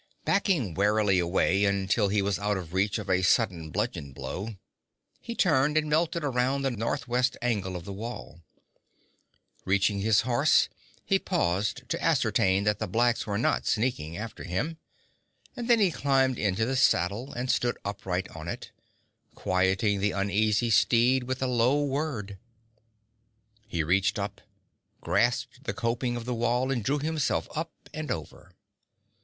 Backing warily away until he was out of reach of a sudden bludgeon blow, he turned and melted around the northwest angle of the wall. Reaching his horse he paused to ascertain that the blacks were not sneaking after him, and then he climbed into the saddle and stood upright on it, quieting the uneasy steed with a low word. He reached up, grasped the coping of the wall and drew himself up and over.